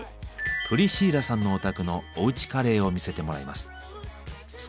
プリシーラさんのお宅のおうちカレーを見せてもらいます。